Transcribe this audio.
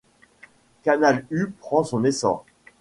Canal-U prend son essor.